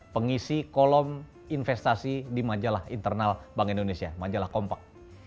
pengisi kolom investasi di majalah internal bank indonesia majalah kompak